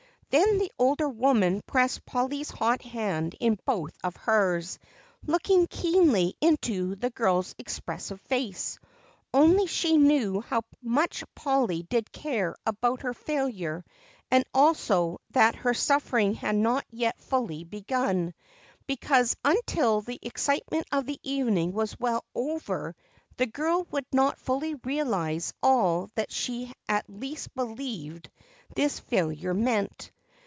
Then the older woman pressed Polly's hot hand in both of hers, looking keenly into the girl's expressive face. Only she knew how much Polly did care about her failure and also that her suffering had not yet fully begun, because until the excitement of the evening was well over the girl would not fully realize all that she at least believed this failure meant.